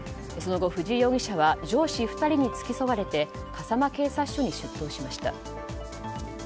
その後、藤井容疑者は上司２人に付き添われて笠間警察署に出頭しました。